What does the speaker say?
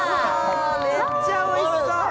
めっちゃおいしそう！